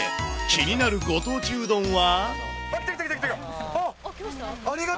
気になるご当地うどんは？